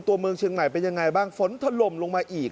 ตัวเมืองเชียงใหม่เป็นยังไงบ้างฝนถล่มลงมาอีก